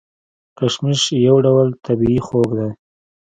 کشمش یو ډول طبیعي خوږ دی.